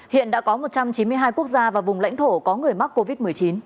hiện đã có một trăm chín mươi hai quốc gia và vùng lãnh thổ có người mắc covid một mươi chín